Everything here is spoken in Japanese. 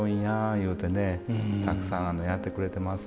言うてねたくさんやってくれてます。